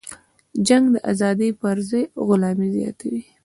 جنگ د ازادۍ پرځای غلامي زیاتوي.